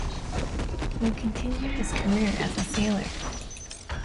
He continued his career as a sailor.